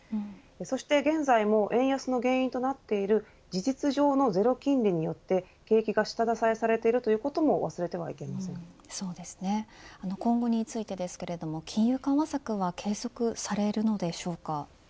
そして現在も円安の原因となっている事実上のゼロ金利によって景気が下支えされているということも今後についてですけれども金融緩和策は継続されるのでしょうか。